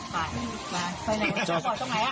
ไปไปไป